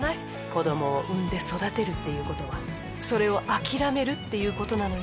子どもを産んで育てるっていうことはそれを諦めるっていうことなのよ